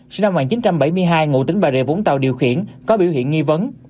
sinh năm một nghìn chín trăm bảy mươi hai ngụ tính bà rịa vũng tàu điều khiển có biểu hiện nghi vấn